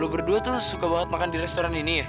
gue berdua tuh suka banget makan di restoran ini ya